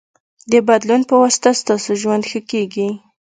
د بدلون پواسطه ستاسو ژوند ښه کېږي.